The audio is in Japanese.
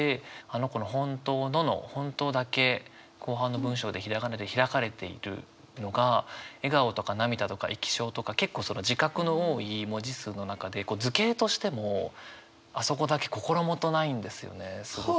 「あの子のほんとうの」の「ほんとう」だけ後半の文章でひらがなで開かれているのが「笑顔」とか「涙」とか「液晶」とか結構その字画の多い文字数の中で図形としてもあそこだけ心もとないんですよね。